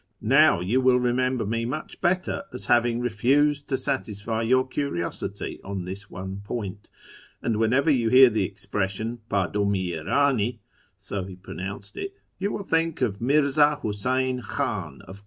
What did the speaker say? Now you will remember me much better as having refused to satisfy your curiosity on this one point, and whenever you hear the expression 'Fdrdur/i i frdni' (so he pronounced it) you will think of Mirza Huseyn Khan of Kashan."